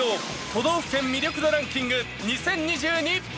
都道府県魅力度ランキング２０２２。